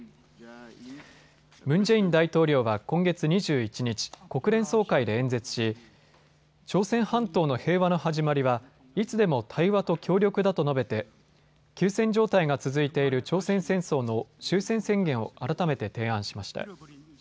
ムン・ジェイン大統領は今月２１日、国連総会で演説し朝鮮半島の平和の始まりはいつでも対話と協力だと述べて休戦状態が続いている朝鮮戦争の終戦宣言を改めて提案しました。